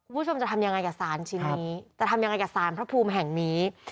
คุณผู้ชมจะทำยังไงกับสารชิ้นนี้จะทำยังไงกับสารพระภูมิแห่งนี้